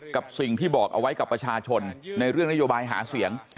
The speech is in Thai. กับสิ่งที่บอกเอาไว้กับประชาชนในเรื่องนโยบายหาเสียง